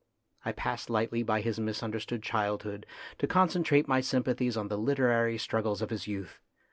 I passed lightly by his misunderstood child hood to concentrate my sympathies on the literary struggles of his youth.